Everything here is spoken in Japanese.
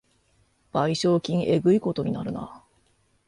賠償金えぐいことになるな